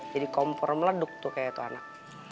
kompor meleduk tuh kayak itu anak